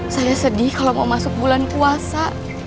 saya sedih kalau mau masuk bulan puasa